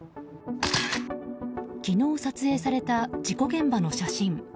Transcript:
昨日撮影された事故現場の写真。